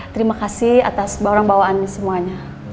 terima kasih atas bawaan bawaannya semuanya